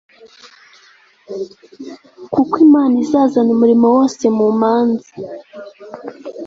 kuko imana izazana umurimo wose mu manza